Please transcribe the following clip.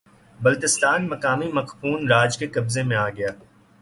بلتستان مقامی مقپون راج کے قبضے میں آگیا